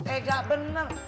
eh nggak bener